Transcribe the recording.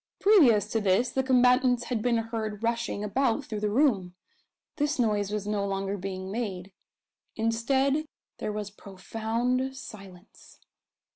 Previous to this the combatants had been heard rushing about through the room. This noise was no longer being made. Instead there was profound silence.